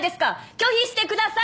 拒否してください！